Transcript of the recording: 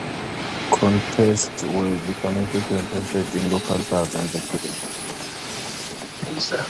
Contests were becoming frequently hosted in local bars and restaurants.